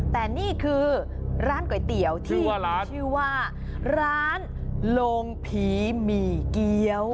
แต่นี่คือร้านก๋วยเตี๋ยวที่ชื่อว่าร้านโลงผีหมี่เกี๊ยว